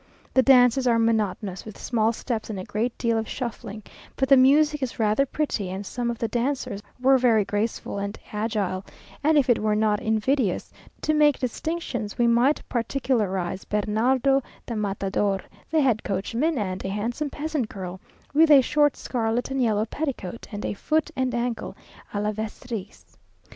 The dances are monotonous, with small steps and a great deal of shuffling, but the music is rather pretty, and some of the dancers were very graceful and agile; and if it were not invidious to make distinctions, we might particularize Bernardo the Matador, the head coachman, and a handsome peasant girl, with a short scarlet and yellow petticoat, and a foot and ankle á la Vestris.